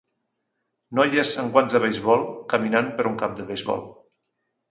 Noies amb guants de beisbol caminant per un camp de beisbol.